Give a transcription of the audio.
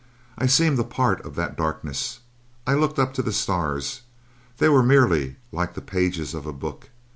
I seemed a part of that darkness. I looked up to the stars. They were merely like the pages of a book.